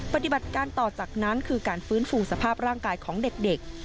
ปฏิบัติการต่อจากนั้นคือการฟื้นฟูสภาพร่างกายของเด็ก